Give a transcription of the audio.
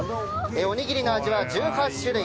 おにぎりの味は１８種類。